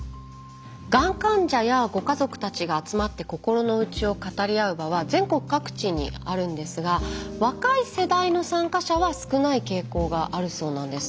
がん患者やご家族たちが集まって心の内を語り合う場は全国各地にあるんですが若い世代の参加者は少ない傾向があるそうなんです。